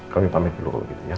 kami pamit dulu gitu ya